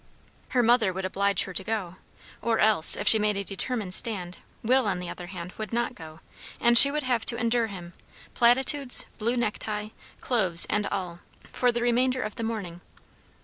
Her mother would oblige her to go; or else, if she made a determined stand, Will on the other hand would not go; and she would have to endure him, platitudes, blue necktie, cloves, and all, for the remainder of the morning.